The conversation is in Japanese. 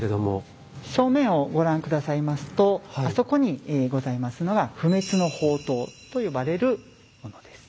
正面をご覧下さいますとあそこにございますのが「不滅の法灯」と呼ばれるものです。